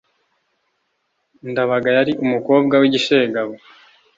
ndabaga yari umukobwa wigishegabo cyane